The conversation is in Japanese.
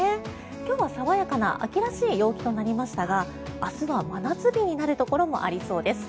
今日は爽やかな秋らしい陽気となりましたが明日は真夏日になるところもありそうです。